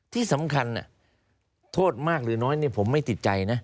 ที่สำคัญโทษมากหรือน้อยผมไม่ติดใจนะ